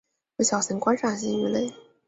为小型观赏性鱼类。